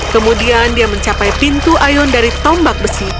kemudian dia mencapai pintu ayun dari tombak besi